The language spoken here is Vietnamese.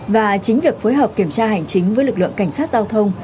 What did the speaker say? và chính việc phối hợp kiểm tra hành chính với lực lượng cảnh sát giao thông